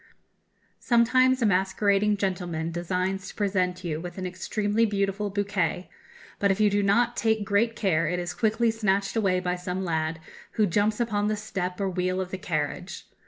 Sometimes a masquerading gentleman designs to present you with an extremely beautiful bouquet; but if you do not take great care it is quickly snatched away by some lad, who jumps upon the step or wheel of the carriage....